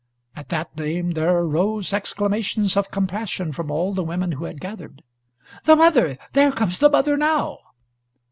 At that name there arose exclamations of compassion from all the women who had gathered. "The mother! There comes the mother, now!"